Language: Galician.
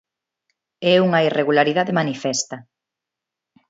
É unha irregularidade manifesta.